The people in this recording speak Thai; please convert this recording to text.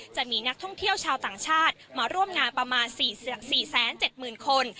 จะมีนักท่องเที่ยวชาวต่างชาติมาร่วมงานประมาณ๔๗๐๐คน